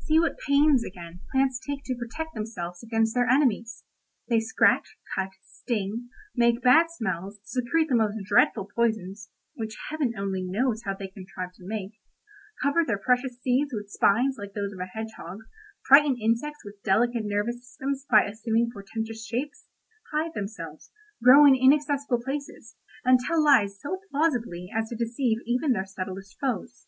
"See what pains, again, plants take to protect themselves against their enemies. They scratch, cut, sting, make bad smells, secrete the most dreadful poisons (which Heaven only knows how they contrive to make), cover their precious seeds with spines like those of a hedgehog, frighten insects with delicate nervous systems by assuming portentous shapes, hide themselves, grow in inaccessible places, and tell lies so plausibly as to deceive even their subtlest foes.